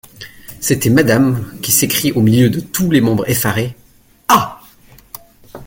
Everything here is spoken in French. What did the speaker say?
C’était Madame, qui s’écrie au milieu de tous les membres effarés : "Ah !